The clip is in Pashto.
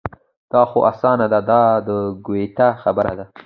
دا خو اسانه ده دا د ګویته خبره ده.